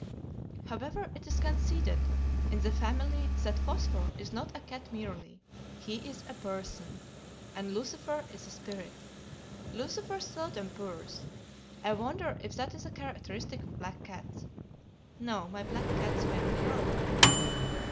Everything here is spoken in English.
"However, it is conceded in the family that Phosphor is not a cat merely: he is a person, and Lucifer is a spirit. Lucifer seldom purrs I wonder if that is a characteristic of black cats?" [No; my black cats fairly roar.